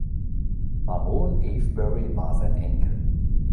Baron Avebury war sein Enkel.